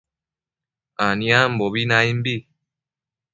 aniambobi naimbi